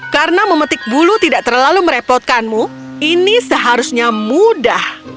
karena memetik bulu tidak terlalu merepotkanmu ini seharusnya mudah